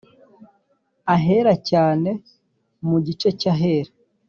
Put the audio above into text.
Ahera Cyane Mu gice cy Ahera